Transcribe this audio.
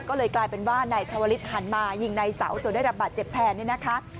ก็เลยกลายเป็นว่านายชาวลิศหันมายิงในเสาจนได้รับบาดเจ็บแทนเนี่ยนะคะ